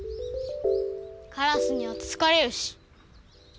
カラスにはつつかれるし。